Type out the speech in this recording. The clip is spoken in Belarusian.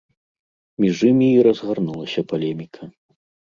Між імі і разгарнулася палеміка.